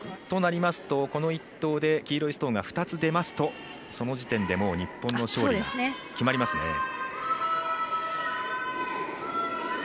となりますと、この１投で黄色いストーンが２つ出ますとその時点でもう日本の勝利、決まりますね。